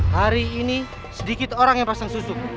hari ini sedikit orang yang pasang susu